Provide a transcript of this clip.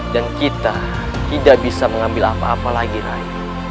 dan kita tidak bisa mengambil apa apa lagi rai